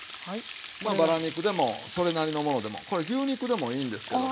まあバラ肉でもそれなりのものでもこれ牛肉でもいいんですけども。